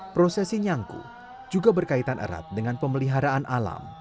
prosesi nyangku juga berkaitan erat dengan pemeliharaan alam